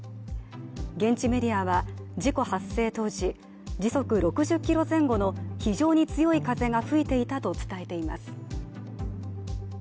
現地メディアは事故発生当時時速６０キロ前後の非常に強い風が吹いていたと伝えています。